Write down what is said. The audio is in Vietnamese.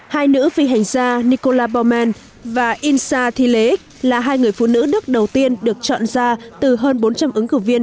hai nữ phi hành gia nicola baumann và insa thiele là hai người phụ nữ đức đầu tiên được chọn ra từ hơn bốn trăm linh ứng cử viên